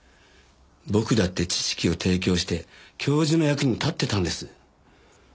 僕だって知識を提供して教授の役に立ってたんです。